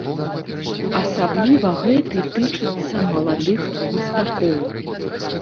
Асабліва гэты тычыцца маладых мастакоў.